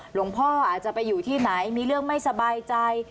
หลวงพ่ออาจจะไปอยู่ที่ไหนมีเรื่องไม่สบายใจ